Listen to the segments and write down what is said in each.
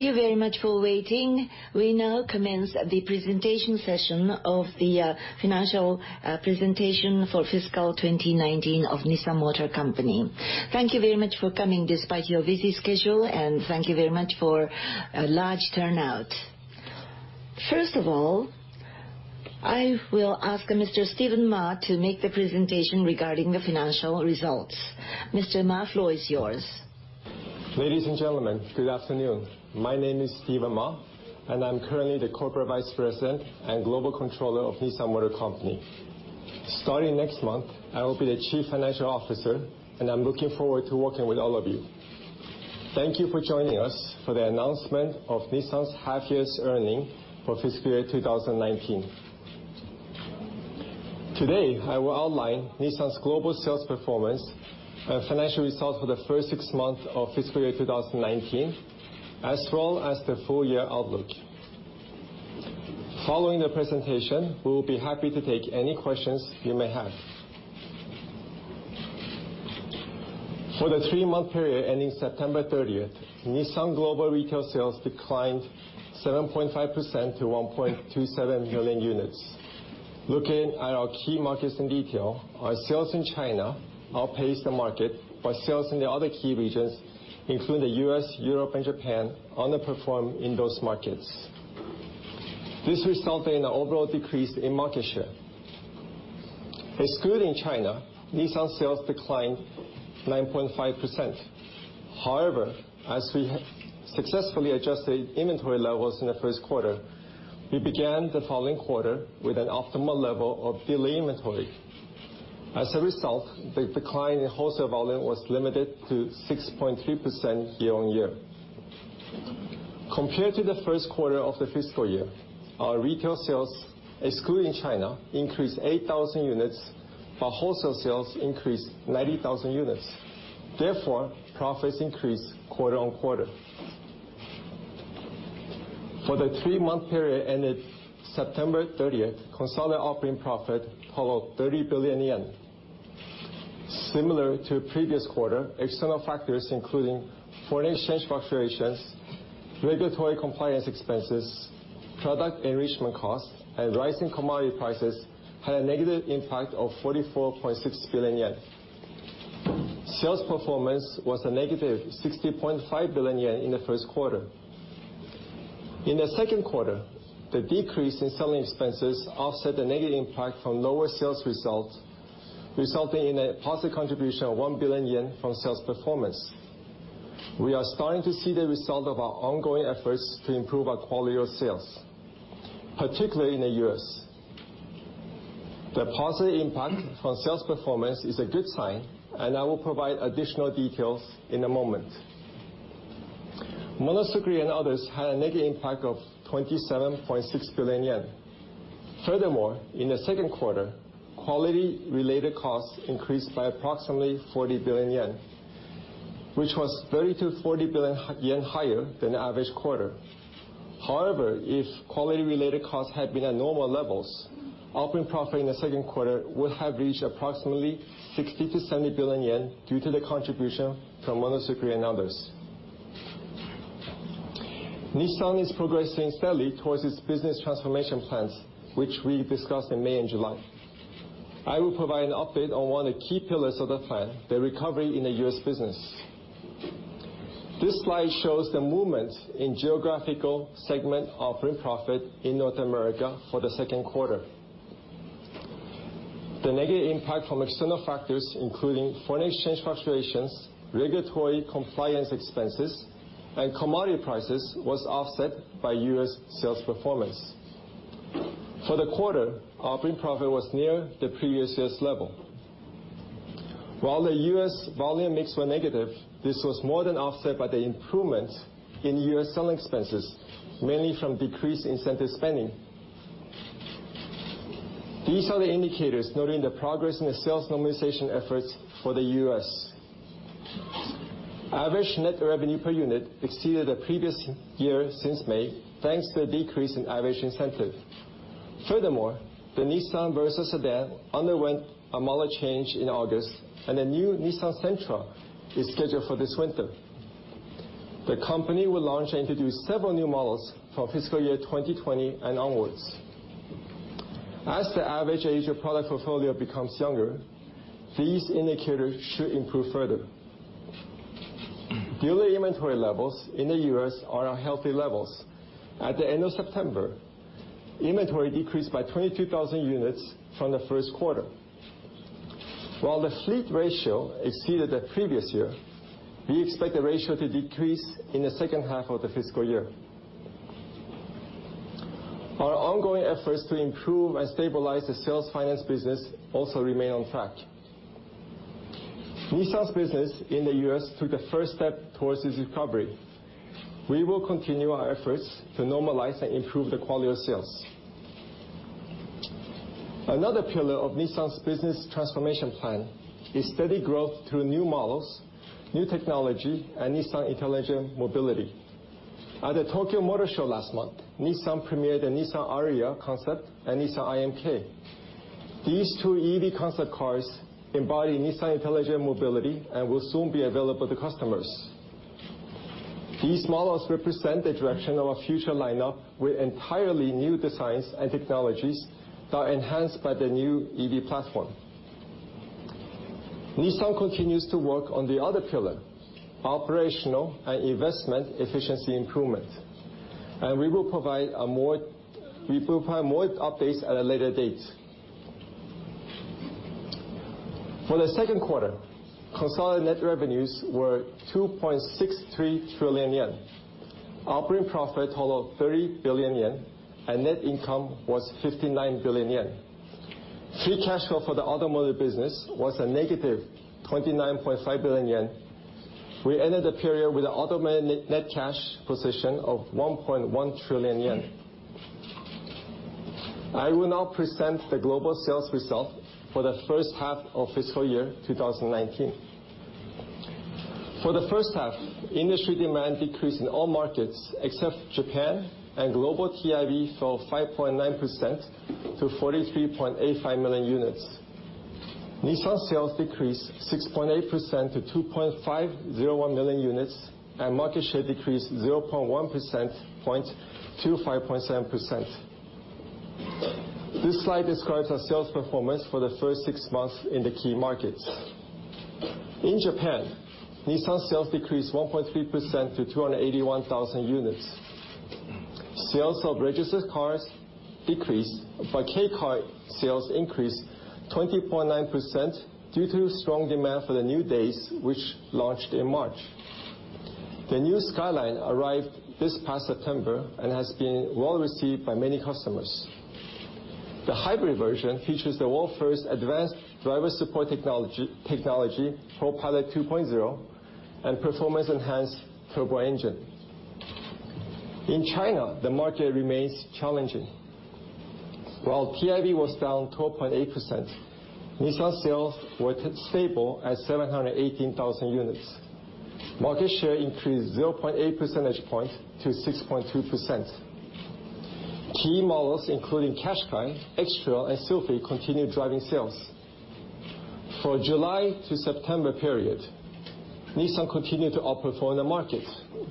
Thank you very much for waiting. We now commence the presentation session of the financial presentation for fiscal 2019 of Nissan Motor Company. Thank you very much for coming despite your busy schedule, and thank you very much for a large turnout. First of all, I will ask Mr. Stephen Ma to make the presentation regarding the financial results. Mr. Ma, floor is yours. Ladies and gentlemen, good afternoon. My name is Stephen Ma, and I'm currently the Corporate Vice President and Global Controller of Nissan Motor Company. Starting next month, I will be the Chief Financial Officer, and I'm looking forward to working with all of you. Thank you for joining us for the announcement of Nissan's half year's earning for fiscal year 2019. Today, I will outline Nissan's global sales performance and financial results for the first six months of fiscal year 2019, as well as the full year outlook. Following the presentation, we will be happy to take any questions you may have. For the three-month period ending September 30th, Nissan global retail sales declined 7.5% to 1.27 million units. Looking at our key markets in detail, our sales in China outpaced the market, while sales in the other key regions, including the U.S., Europe, and Japan, underperformed in those markets. This resulted in an overall decrease in market share. Excluding China, Nissan sales declined 9.5%. However, as we successfully adjusted inventory levels in the first quarter, we began the following quarter with an optimal level of dealer inventory. As a result, the decline in wholesale volume was limited to 6.3% year-on-year. Compared to the first quarter of the fiscal year, our retail sales, excluding China, increased 8,000 units while wholesale sales increased 90,000 units. Therefore, profits increased quarter-on-quarter. For the three-month period ended September 30th, consolidated operating profit totaled 30 billion yen. Similar to previous quarter, external factors including foreign exchange fluctuations, regulatory compliance expenses, product enrichment costs, and rising commodity prices, had a negative impact of 44.6 billion yen. Sales performance was a negative 60.5 billion yen in the first quarter. In the second quarter, the decrease in selling expenses offset the negative impact from lower sales results, resulting in a positive contribution of 1 billion yen from sales performance. We are starting to see the result of our ongoing efforts to improve our quality of sales, particularly in the U.S. The positive impact from sales performance is a good sign, and I will provide additional details in a moment. Monozukuri and others had a negative impact of 27.6 billion yen. Furthermore, in the second quarter, quality related costs increased by approximately 40 billion yen, which was 30 billion-40 billion yen higher than the average quarter. However, if quality related costs had been at normal levels, operating profit in the second quarter would have reached approximately 60 billion-70 billion yen due to the contribution from Monozukuri and others. Nissan is progressing steadily towards its business transformation plans, which we discussed in May and July. I will provide an update on one of the key pillars of the plan, the recovery in the U.S. business. This slide shows the movement in geographical segment operating profit in North America for the second quarter. The negative impact from external factors, including foreign exchange fluctuations, regulatory compliance expenses, and commodity prices, was offset by U.S. sales performance. For the quarter, operating profit was near the previous year's level. While the U.S. volume mix were negative, this was more than offset by the improvement in U.S. selling expenses, mainly from decreased incentive spending. These are the indicators noting the progress in the sales normalization efforts for the U.S. Average net revenue per unit exceeded the previous year since May, thanks to a decrease in average incentive. Furthermore, the Nissan Versa sedan underwent a model change in August, and the new Nissan Sentra is scheduled for this winter. The company will launch and introduce several new models for fiscal year 2020 and onwards. As the average age of product portfolio becomes younger, these indicators should improve further. Dealer inventory levels in the U.S. are at healthy levels. At the end of September, inventory decreased by 22,000 units from the first quarter. While the fleet ratio exceeded the previous year, we expect the ratio to decrease in the second half of the fiscal year. Our ongoing efforts to improve and stabilize the sales finance business also remain on track. Nissan's business in the U.S. took a first step towards its recovery. We will continue our efforts to normalize and improve the quality of sales. Another pillar of Nissan's business transformation plan is steady growth through new models, new technology, and Nissan Intelligent Mobility. At the Tokyo Motor Show last month, Nissan premiered the Nissan Ariya concept and Nissan IMk. These two EV concept cars embody Nissan Intelligent Mobility and will soon be available to customers. These models represent the direction of our future lineup with entirely new designs and technologies that are enhanced by the new EV platform. Nissan continues to work on the other pillar, operational and investment efficiency improvement. We will provide more updates at a later date. For the second quarter, consolidated net revenues were 2.63 trillion yen. Operating profit total of 30 billion yen, and net income was 59 billion yen. Free cash flow for the automotive business was a negative 29.5 billion yen. We ended the period with an automotive net cash position of 1.1 trillion yen. I will now present the global sales result for the first half of fiscal year 2019. For the first half, industry demand decreased in all markets except Japan, and global TIV fell 5.9% to 43.85 million units. Nissan sales decreased 6.8% to 2.501 million units, and market share decreased 0.1% point to 5.7%. This slide describes our sales performance for the first six months in the key markets. In Japan, Nissan sales decreased 1.3% to 281,000 units. Sales of registered cars decreased, but kei car sales increased 20.9% due to strong demand for the new Dayz, which launched in March. The new Skyline arrived this past September and has been well received by many customers. The hybrid version features the world's first advanced driver support technology, ProPILOT 2.0, and performance-enhanced turbo engine. In China, the market remains challenging. While TIV was down 12.8%, Nissan sales were stable at 718,000 units. Market share increased 0.8 percentage point to 6.2%. Key models including Qashqai, X-Trail, and Sylphy continued driving sales. For July to September period, Nissan continued to outperform the market.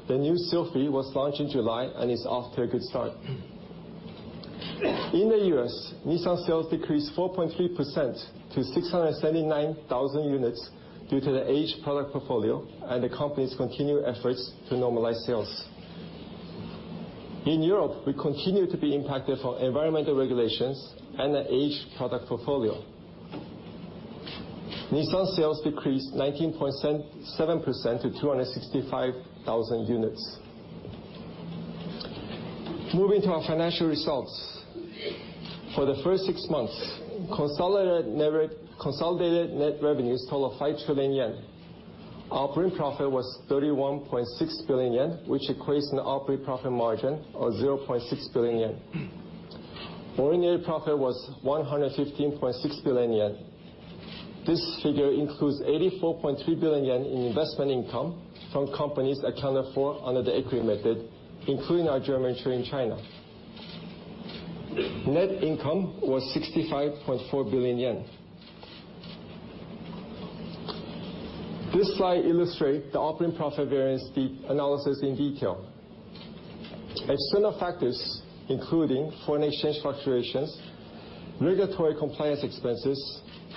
The new Sylphy was launched in July and is off to a good start. In the U.S., Nissan sales decreased 4.3% to 679,000 units due to the aged product portfolio and the company's continued efforts to normalize sales. In Europe, we continue to be impacted from environmental regulations and an aged product portfolio. Nissan sales decreased 19.7% to 265,000 units. Moving to our financial results. For the first six months, consolidated net revenues total of 5 trillion yen. Operating profit was 31.6 billion yen, which equates an operating profit margin of 0.6 billion yen. Ordinary profit was 115.6 billion yen. This figure includes 84.3 billion yen in investment income from companies accounted for under the equity method, including our joint venture in China. Net income was JPY 65.4 billion. This slide illustrates the operating profit variance analysis in detail. External factors including foreign exchange fluctuations, regulatory compliance expenses,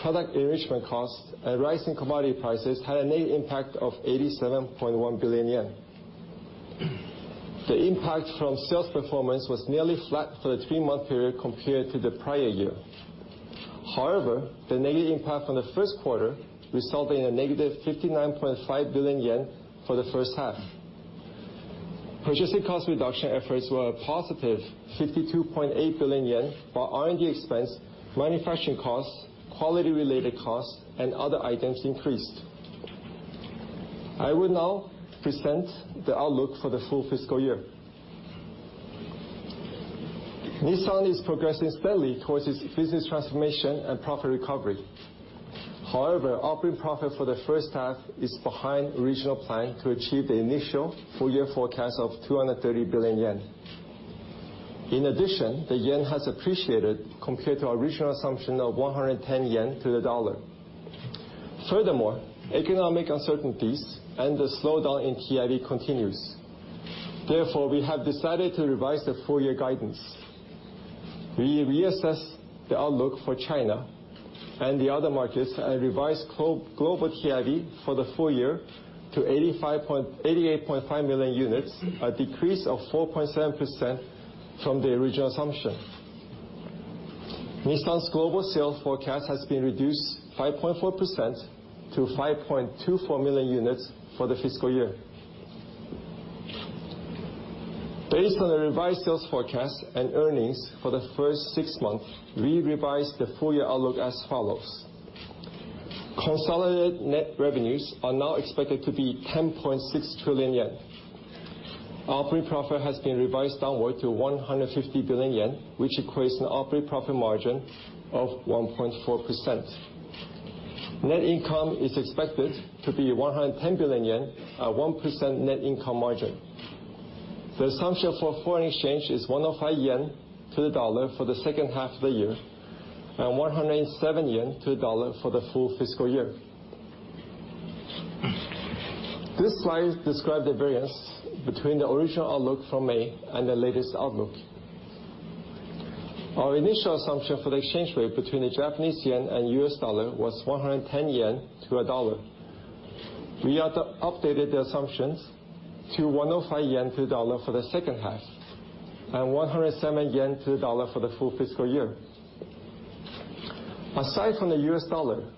product enrichment costs, and rising commodity prices had a negative impact of 87.1 billion yen. The impact from sales performance was nearly flat for the three-month period compared to the prior year. The negative impact from the first quarter resulted in a negative 59.5 billion yen for the first half. Purchasing cost reduction efforts were a positive 52.8 billion yen, while R&D expense, manufacturing costs, quality-related costs, and other items increased. I will now present the outlook for the full fiscal year. Nissan is progressing steadily towards its business transformation and profit recovery. However, operating profit for the first half is behind original plan to achieve the initial full-year forecast of 230 billion yen. In addition, the JPY has appreciated compared to our original assumption of 110 yen to the USD. Furthermore, economic uncertainties and the slowdown in TIV continues. Therefore, we have decided to revise the full-year guidance. We reassess the outlook for China and the other markets and revise global TIV for the full year to 88.5 million units, a decrease of 4.7% from the original assumption. Nissan's global sales forecast has been reduced 5.4% to 5.24 million units for the fiscal year. Based on the revised sales forecast and earnings for the first six months, we revised the full-year outlook as follows. Consolidated net revenues are now expected to be 10.6 trillion yen. Operating profit has been revised downward to 150 billion yen, which equates an operating profit margin of 1.4%. Net income is expected to be 110 billion yen, a 1% net income margin. The assumption for foreign exchange is 105 yen to the dollar for the second half of the year, and 107 yen to the dollar for the full fiscal year. This slide describes the variance between the original outlook from May and the latest outlook. Our initial assumption for the exchange rate between the Japanese yen and U.S. dollar was 110 yen to a dollar. We updated the assumptions to 105 yen to a dollar for the second half, and 107 yen to the dollar for the full fiscal year. Aside from the U.S. dollar,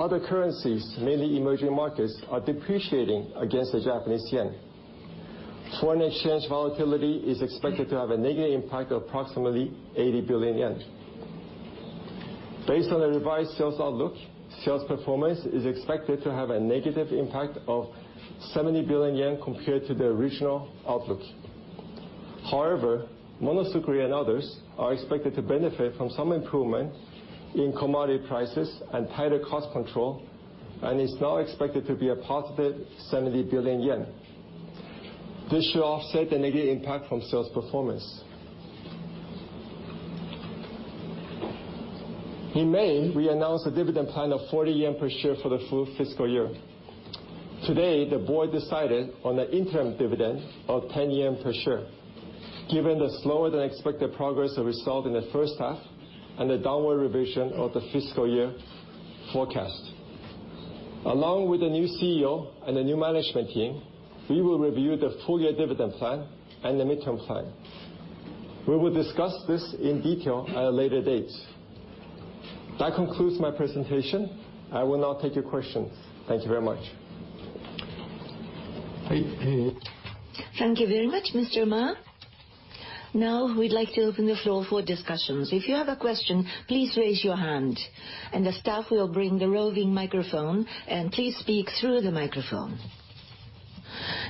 other currencies, mainly emerging markets, are depreciating against the Japanese yen. Foreign exchange volatility is expected to have a negative impact of approximately 80 billion yen. Based on the revised sales outlook, sales performance is expected to have a negative impact of 70 billion yen compared to the original outlook. Monozukuri and others are expected to benefit from some improvement in commodity prices and tighter cost control, and is now expected to be a positive 70 billion yen. This should offset the negative impact from sales performance. In May, we announced a dividend plan of 40 yen per share for the full fiscal year. Today, the board decided on an interim dividend of 10 yen per share, given the slower-than-expected progress that we saw in the first half, and the downward revision of the fiscal year forecast. Along with the new CEO and the new management team, we will review the full-year dividend plan and the midterm plan. We will discuss this in detail at a later date. That concludes my presentation. I will now take your questions. Thank you very much. Thank you very much, Mr. Ma. We'd like to open the floor for discussions. If you have a question, please raise your hand and the staff will bring the roving microphone, and please speak through the microphone.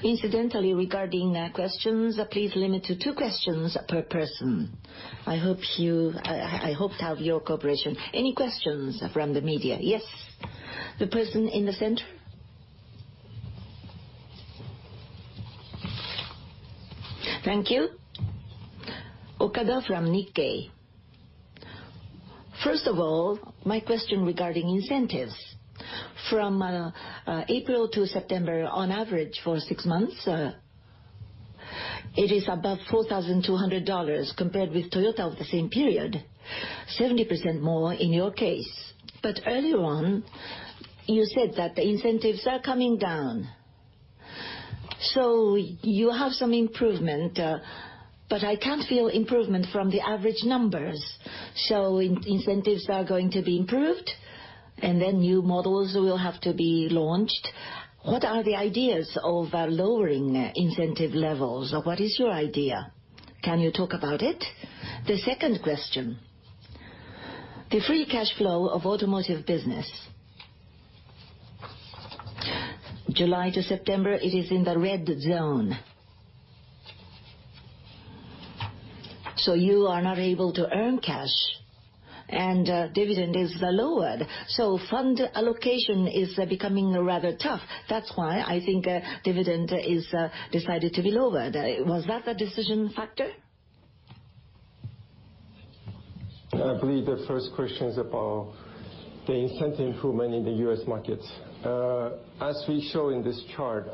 Incidentally, regarding questions, please limit to two questions per person. I hope to have your cooperation. Any questions from the media? Yes. The person in the center. Thank you. Okada from Nikkei. First of all, my question regarding incentives. From April to September, on average for six months, it is above JPY 4,200 compared with Toyota of the same period. 70% more in your case. Earlier on, you said that the incentives are coming down. You have some improvement, but I can't feel improvement from the average numbers. Incentives are going to be improved and then new models will have to be launched. What are the ideas of lowering incentive levels, or what is your idea? Can you talk about it? The second question, the free cash flow of automotive business. July to September, it is in the red zone. You are not able to earn cash and dividend is lowered. Fund allocation is becoming rather tough. I think dividend is decided to be lowered. Was that a decision factor? I believe the first question is about the incentive improvement in the U.S. market. As we show in this chart,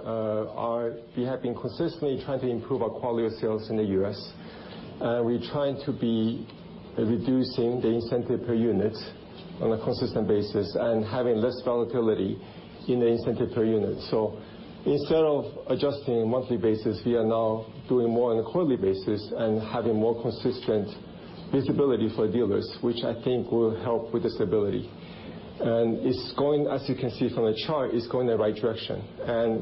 we have been consistently trying to improve our quality of sales in the U.S., we're trying to be reducing the incentive per unit on a consistent basis and having less volatility in the incentive per unit. Instead of adjusting monthly basis, we are now doing more on a quarterly basis and having more consistent visibility for dealers, which I think will help with the stability. As you can see from the chart, it's going in the right direction.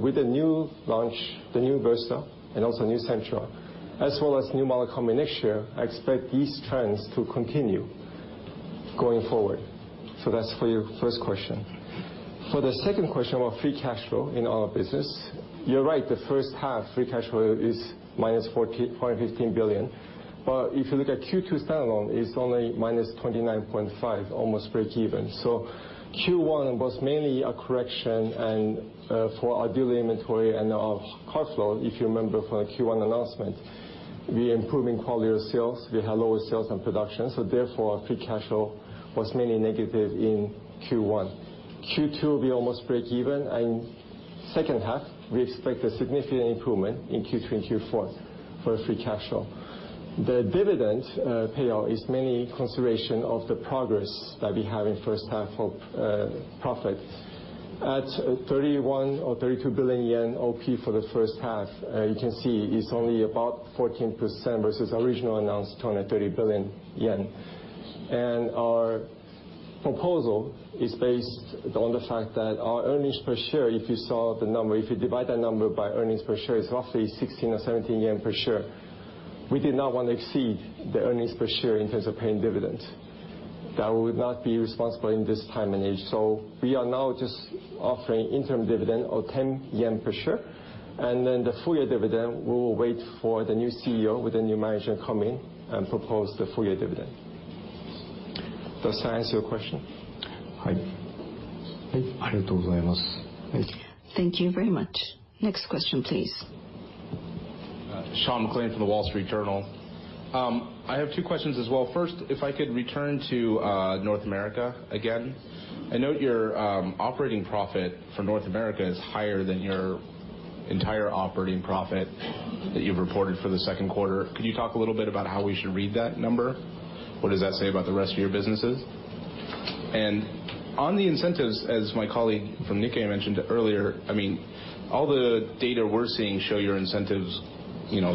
With the new launch, the new Versa and also new Sentra, as well as new model coming next year, I expect these trends to continue going forward. That's for your first question. For the second question about free cash flow in our business, you're right. The first half free cash flow is -15 billion. If you look at Q2 stand-alone, it's only -29.5, almost breakeven. Q1 was mainly a correction for our dealer inventory and our car flow. If you remember from the Q1 announcement, we improving quality of sales. We had lower sales and production, therefore, our free cash flow was mainly negative in Q1. Q2, we almost breakeven, and second half, we expect a significant improvement in Q3 and Q4 for free cash flow. The dividend payout is mainly consideration of the progress that we have in first half of profit. At 31 billion or 32 billion yen OP for the first half, you can see it's only about 14% versus original announced 230 billion yen. Our proposal is based on the fact that our earnings per share, if you saw the number, if you divide that number by earnings per share, it's roughly 16 or 17 yen per share. We did not want to exceed the earnings per share in terms of paying dividends. That would not be responsible in this time and age. We are now just offering interim dividend of 10 yen per share, and then the full year dividend, we will wait for the new CEO with the new manager come in and propose the full year dividend. Does that answer your question? Thank you very much. Next question, please. Sean McLain from the Wall Street Journal. I have two questions as well. First, if I could return to North America again. I note your operating profit for North America is higher than your entire operating profit that you've reported for the second quarter. Could you talk a little bit about how we should read that number? What does that say about the rest of your businesses? On the incentives, as my colleague from Nikkei mentioned earlier, all the data we're seeing show your incentives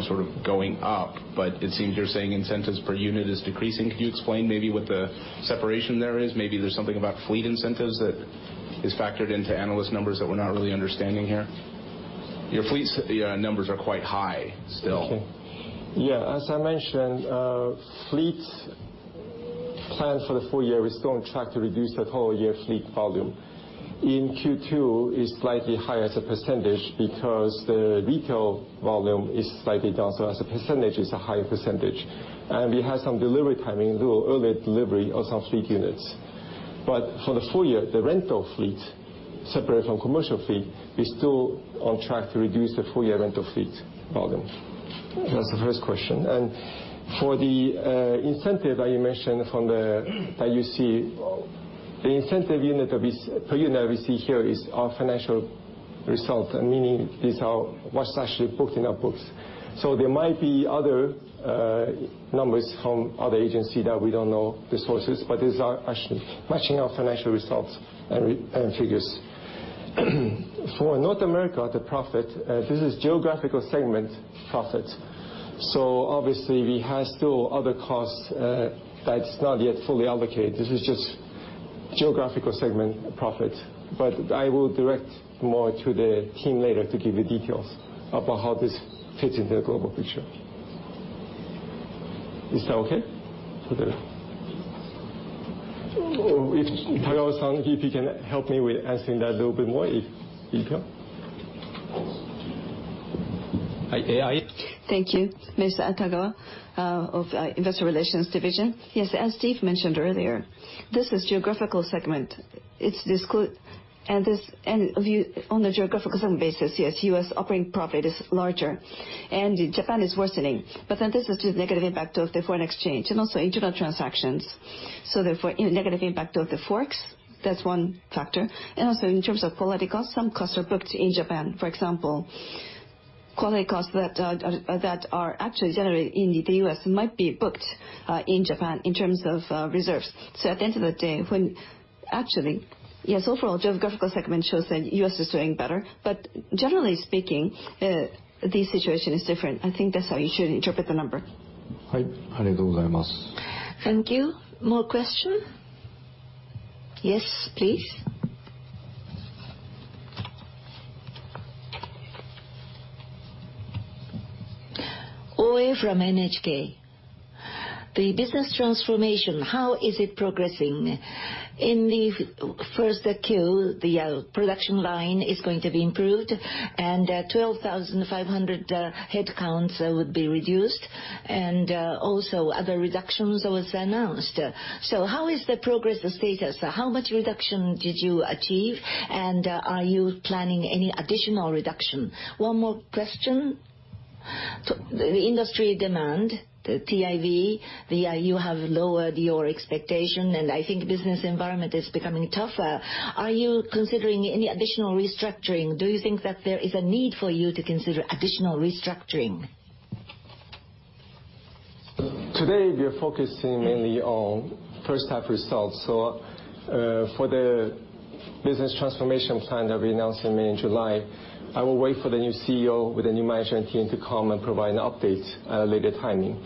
sort of going up, but it seems you're saying incentives per unit is decreasing. Can you explain maybe what the separation there is? Maybe there's something about fleet incentives that is factored into analyst numbers that we're not really understanding here. Your fleet numbers are quite high still. Yeah. As I mentioned, fleet plan for the full year, we're still on track to reduce that whole year fleet volume. In Q2, it's slightly higher as a percentage because the retail volume is slightly down, so as a percentage, it's a higher percentage. We had some delivery timing, a little early delivery of some fleet units. For the full year, the rental fleet, separate from commercial fleet, we're still on track to reduce the full year rental fleet volume. That's the first question. For the incentive that you mentioned that you see, the incentive per unit we see here is our financial result, meaning this is what's actually booked in our books. There might be other numbers from other agency that we don't know the sources, but these are actually matching our financial results and figures. For North America, the profit, this is geographical segment profit. Obviously we have still other costs that's not yet fully allocated. This is just geographical segment profit. I will direct more to the team later to give you details about how this fits into the global picture. Is that okay? If Tagawa-san, if you can help me with answering that a little bit more if you can. Thank you. Mr. Tagawa of Investor Relations division. As Steve mentioned earlier, this is Geographical Segment. On the Geographical Segment basis, U.S. operating profit is larger. Japan is worsening. This is just negative impact of the foreign exchange, also internal transactions. Negative impact of the Forex, that's one factor. In terms of quality cost, some costs are booked in Japan. For example, quality costs that are actually generated in the U.S. might be booked in Japan in terms of reserves. At the end of the day, when actually, overall Geographical Segment shows that U.S. is doing better, generally speaking, this situation is different. I think that's how you should interpret the number. Thank you. More question? Yes, please. Ooe from NHK. The business transformation, how is it progressing? In the first Q, the production line is going to be improved, and 12,500 headcounts would be reduced, and also other reductions was announced. How is the progress, the status? How much reduction did you achieve, and are you planning any additional reduction? One more question. The industry demand, the TIV, you have lowered your expectation, and I think business environment is becoming tougher. Are you considering any additional restructuring? Do you think that there is a need for you to consider additional restructuring? Today, we are focusing mainly on first half results. For the business transformation plan that we announced in May and July, I will wait for the new CEO with the new management team to come and provide an update at a later timing.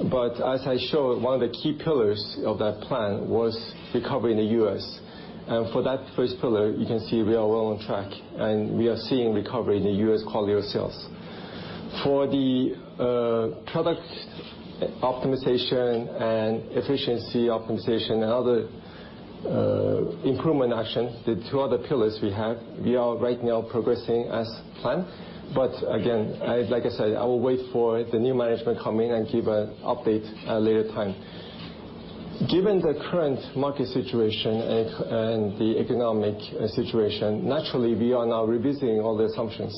As I showed, one of the key pillars of that plan was recovery in the U.S. For that first pillar, you can see we are well on track, and we are seeing recovery in the U.S. quality of sales. For the product optimization and efficiency optimization and other improvement action, the two other pillars we have, we are right now progressing as planned. Again, like I said, I will wait for the new management come in and give an update at a later time. Given the current market situation and the economic situation, naturally, we are now revisiting all the assumptions.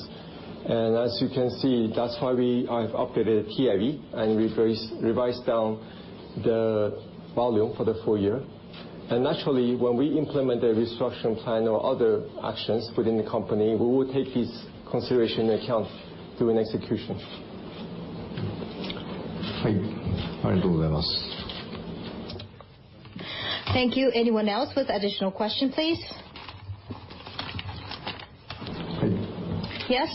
As you can see, that's why we have updated TIV and revised down the volume for the full year. Naturally, when we implement the restructuring plan or other actions within the company, we will take this consideration into account through an execution. Thank you. Anyone else with additional question, please? Yes.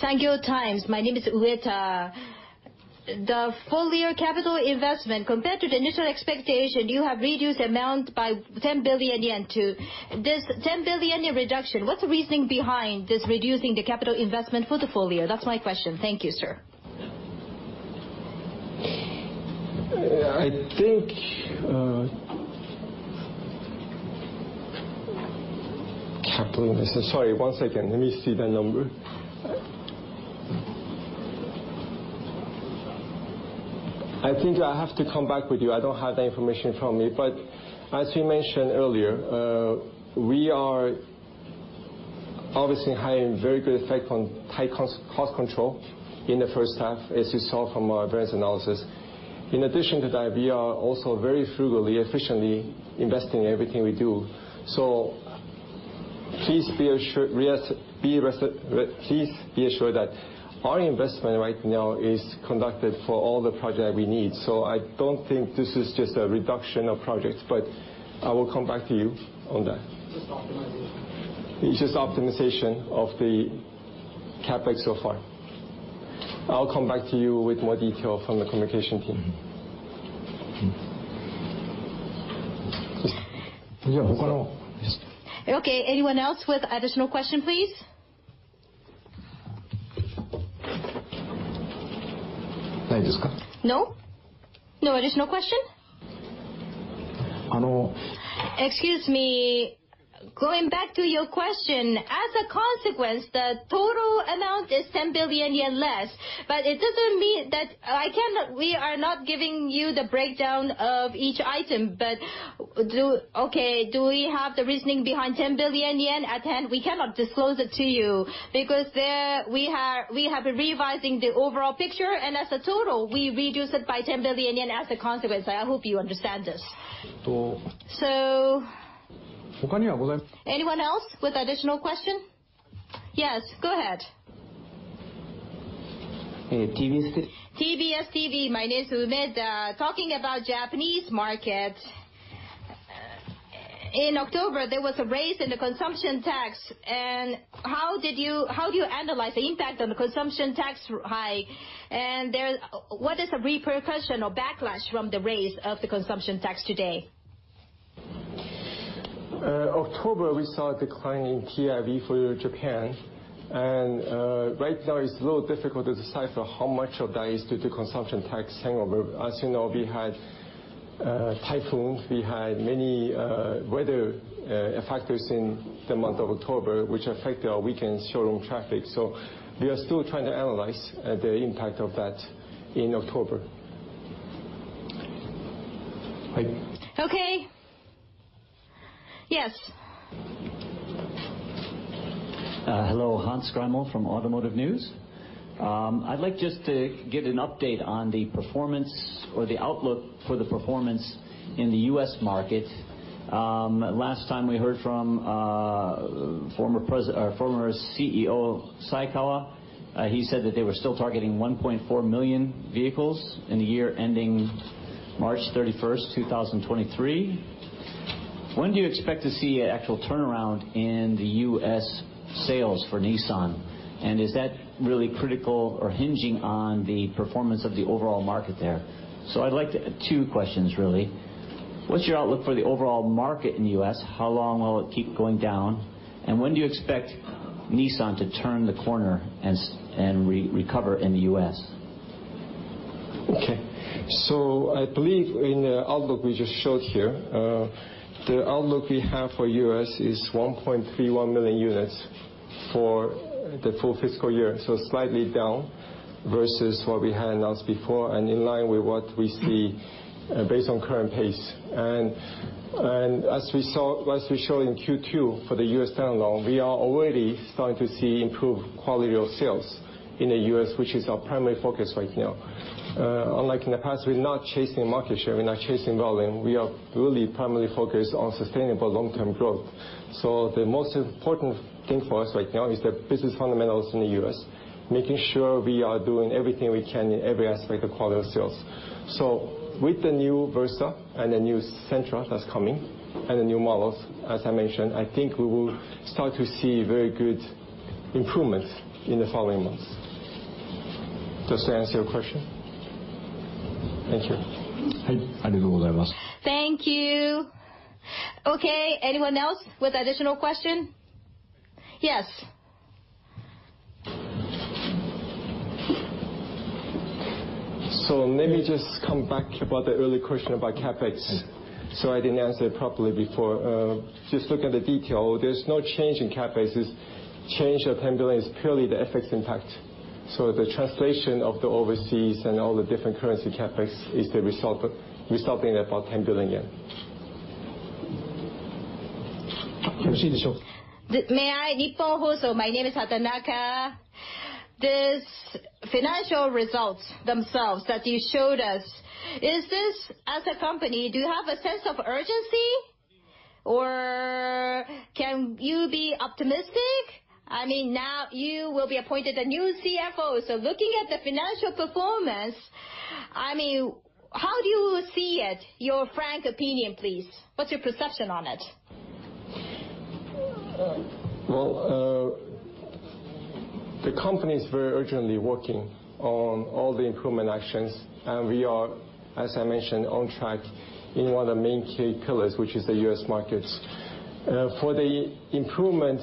Sankei Shimbun, my name is Ueda. The full year capital investment, compared to the initial expectation, you have reduced the amount by 10 billion yen too. This 10 billion yen reduction, what's the reasoning behind this reducing the capital investment for the full year? That's my question. Thank you, sir. CapEx. Sorry, one second. Let me see the number. I think I have to come back with you. I don't have the information in front of me. As we mentioned earlier, we are obviously having very good effect on tight cost control in the first half, as you saw from our variance analysis. In addition to that, we are also very frugally, efficiently investing in everything we do. Please be assured that our investment right now is conducted for all the projects we need. I don't think this is just a reduction of projects, but I will come back to you on that. Just optimization. It's just optimization of the CapEx so far. I'll come back to you with more detail from the communication team. Okay. Anyone else with additional question, please? No? No additional question? Excuse me. Going back to your question, as a consequence, the total amount is 10 billion yen less, but it doesn't mean that we are not giving you the breakdown of each item, but, okay, do we have the reasoning behind 10 billion yen at hand? We cannot disclose it to you because we have been revising the overall picture, as a total, we reduce it by 10 billion yen as a consequence. I hope you understand this. Anyone else with additional question? Yes, go ahead. TVS- TBS TV, my name is Umeda. Talking about Japanese market, in October, there was a raise in the consumption tax, how do you analyze the impact on the consumption tax hike? What is the repercussion or backlash from the raise of the consumption tax today? October, we saw a decline in TIV for Japan. Right now it's a little difficult to decipher how much of that is due to consumption tax hangover. As you know, we had typhoons, we had many weather factors in the month of October, which affected our weekend showroom traffic. We are still trying to analyze the impact of that in October. Okay. Yes. Hello. Hans Greimel from Automotive News. I'd like just to get an update on the performance or the outlook for the performance in the U.S. market. Last time we heard from former CEO Saikawa, he said that they were still targeting 1.4 million vehicles in the year ending March 31st, 2023. When do you expect to see an actual turnaround in the U.S. sales for Nissan? Is that really critical or hinging on the performance of the overall market there? I'd like two questions, really. What's your outlook for the overall market in the U.S.? How long will it keep going down? When do you expect Nissan to turn the corner and recover in the U.S.? I believe in the outlook we just showed here, the outlook we have for the U.S. is 1.31 million units for the full fiscal year, slightly down versus what we had announced before and in line with what we see based on current pace. As we showed in Q2 for the U.S. stand alone, we are already starting to see improved quality of sales in the U.S., which is our primary focus right now. Unlike in the past, we're not chasing market share, we're not chasing volume. We are really primarily focused on sustainable long-term growth. The most important thing for us right now is the business fundamentals in the U.S., making sure we are doing everything we can in every aspect of quality of sales. With the new Versa and the new Sentra that's coming, and the new models, as I mentioned, I think we will start to see very good improvements in the following months. Does that answer your question? Thank you. Thank you. Okay, anyone else with additional question? Yes. Let me just come back about the earlier question about CapEx. Sorry I didn't answer it properly before. Just look at the detail. There's no change in CapEx. Change of 10 billion is purely the FX impact. The translation of the overseas and all the different currency CapEx is the resulting about JPY 10 billion. May I? Nippon Hoso. My name is Hatanaka. These financial results themselves that you showed us, is this, as a company, do you have a sense of urgency or can you be optimistic? I mean, now you will be appointed a new CFO. Looking at the financial performance, how do you see it? Your frank opinion, please. What's your perception on it? The company is very urgently working on all the improvement actions, and we are, as I mentioned, on track in one of the main key pillars, which is the U.S. market. For the improvement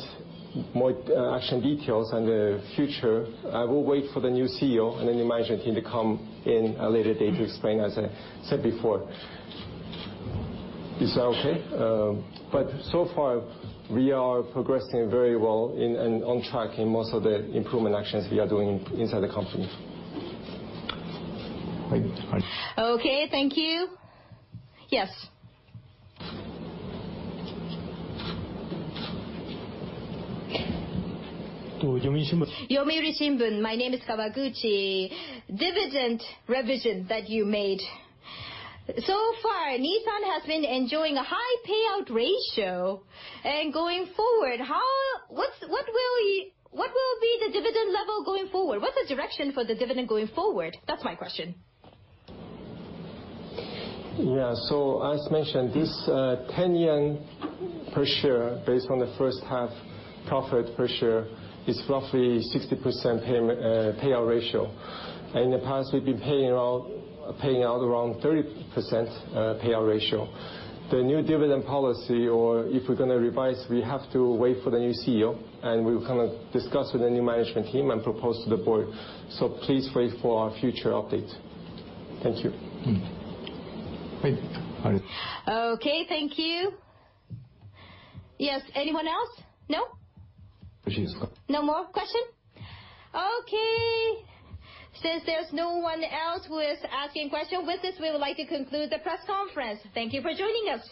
action details and the future, I will wait for the new CEO and the new management team to come in a later date to explain, as I said before. Is that okay? So far, we are progressing very well and on track in most of the improvement actions we are doing inside the company. Okay, thank you. Yes. Yomiuri Shimbun. My name is Kawaguchi. Dividend revision that you made. So far, Nissan has been enjoying a high payout ratio. Going forward, what will be the dividend level going forward? What's the direction for the dividend going forward? That's my question. Yeah. As mentioned, this 10 yen per share based on the first half profit per share is roughly 60% payout ratio. In the past, we've been paying out around 30% payout ratio. The new dividend policy, or if we're going to revise, we have to wait for the new CEO, and we will discuss with the new management team and propose to the board. Please wait for our future update. Thank you. Okay, thank you. Yes. Anyone else? No? No more question? Okay. Since there's no one else who is asking question, with this, we would like to conclude the press conference. Thank you for joining us.